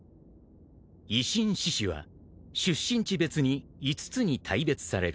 ［維新志士は出身地別に５つに大別される］